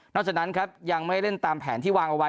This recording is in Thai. จากนั้นครับยังไม่เล่นตามแผนที่วางเอาไว้